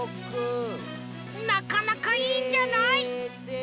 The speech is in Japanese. なかなかいいんじゃない？